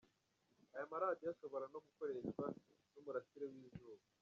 Aya maradiyo ashobora no gukoreshwa n'umurasire w'izuba.